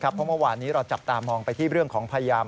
เพราะเมื่อวานนี้เราจับตามองไปที่เรื่องของพยายาม